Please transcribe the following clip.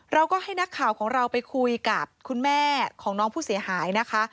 เราก็ให้นักข่าวของเราไปคุยกับคุณแม่ของน้องผู้เสียหายนะคะ